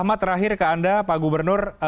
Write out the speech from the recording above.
ahmad terakhir ke anda pak gubernur